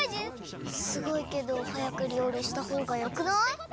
すごいけどはやくりょうりしたほうがよくない？